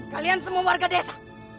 kalian semua warga desa